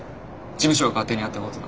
事務所が勝手にやったことだ。